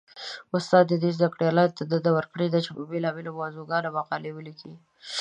استاد دې زده کړيالانو ته دنده ورکړي؛ چې په بېلابېلو موضوعګانو مقالې وليکي.